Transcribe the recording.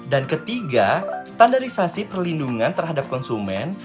dan ketiga standarisasi perlindungan terhadap konsumen